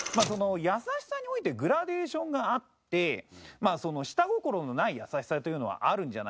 優しさにおいてグラデーションがあって下心のない優しさというのはあるんじゃないか。